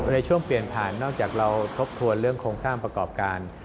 ในช่วงเปลี่ยนผ่านนอกจากเราทบทวนเรื่องโครงสร้างประกอบการ